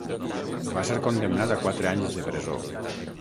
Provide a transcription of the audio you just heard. Va ser condemnat a quatre anys de presó.